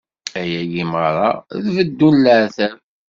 Ayagi meṛṛa, d beddu n leɛtab.